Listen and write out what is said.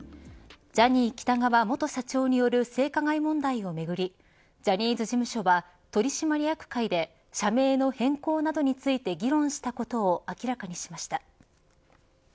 ジャニー喜多川元社長による性加害問題をめぐりジャニーズ事務所は、取締役会で社名の変更などについて議論したことを明らかにしました。